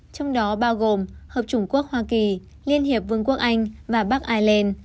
trong đó bao gồm hợp trung quốc hoa kỳ liên hiệp vương quốc anh và bắc ireland